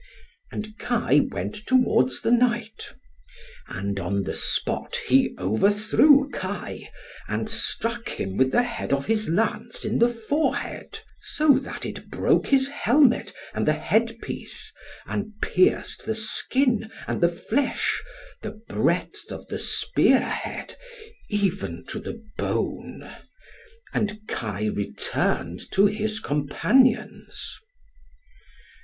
And Kai went towards the Knight. And on the spot he overthrew Kai, {37a} and struck him with the head of his lance in the forehead, so that it broke his helmet and the headpiece, and pierced the skin, and the flesh, the breadth of the spearhead, even to the bone. And Kai returned to his companions.